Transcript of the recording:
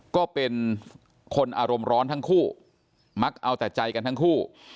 ก็เป็นคนอารมณ์ร้อนทั้งคู่มักเอาแต่ใจกันทั้งคู่